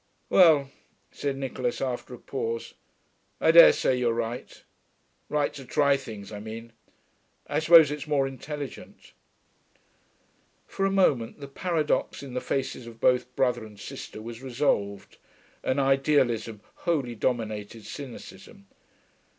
'Well,' said Nicholas, after a pause, 'I dare say you're right. Right to try things, I mean. I suppose it's more intelligent.' For a moment the paradox in the faces of both brother and sister was resolved, and idealism wholly dominated cynicism.